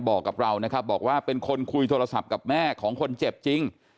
บอกกับเรานะครับบอกว่าเป็นคนคุยโทรศัพท์กับแม่ของคนเจ็บจริง